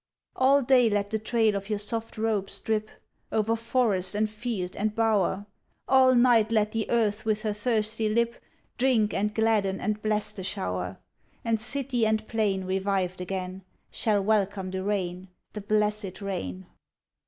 All day let the trail of your soft robes drip Over forest and field and bower, All night let the earth with her thirsty lip Drink and gladden and bless the shower, And city and plain revived again, Shall welcome the rain — the blessed rain.